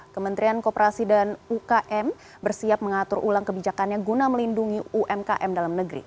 kementerian kooperasi dan ukm bersiap mengatur ulang kebijakannya guna melindungi umkm dalam negeri